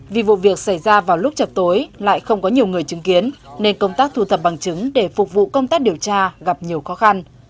vì vụ việc xảy ra vào lúc chập tối lại không có nhiều người chứng kiến nên công tác thu thập bằng chứng để phục vụ công tác điều tra gặp nhiều khó khăn